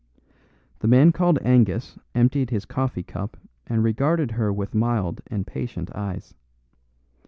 The man called Angus emptied his coffee cup and regarded her with mild and patient eyes.